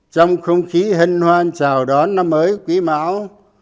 trong không khí hân hoan chào đón năm mới quý mão